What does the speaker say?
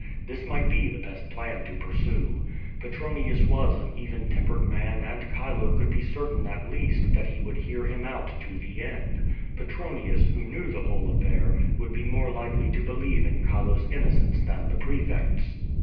This might be the best plan to pursue. Petronius was an even tem])ered man and Chilo could be certain at least that he would hear him out to the end. Petronius, who knew the whole affair would be more likely to believe in Chilo's innocence than the prefects.